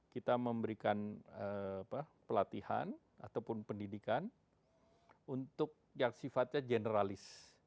kita memberikan pelatihan ataupun pendidikan untuk yang sifatnya generalis